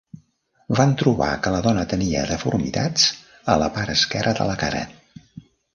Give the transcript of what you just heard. Van trobar que la dona tenia deformitats a la part esquerra de la cara.